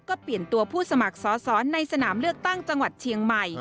ก็เปลี่ยนตัวผู้สมัครสอสอในสนามเลือกตั้งจังหวัดเชียงใหม่